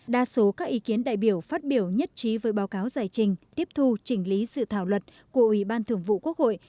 đa số các ý kiến đại biểu phát biểu nhất trí với báo cáo giải trình tiếp thu chỉnh lý dự thảo luật của ủy ban thường vụ quốc hội